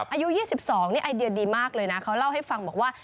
อายุ๒๒นี่ไอเดียดีมากเลยนะเขาเล่าให้ฟังบอกว่า